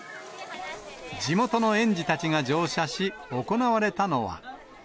地元の園児たちが乗車し、行われたのは。